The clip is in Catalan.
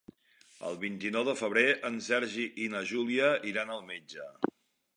El vint-i-nou de febrer en Sergi i na Júlia iran al metge.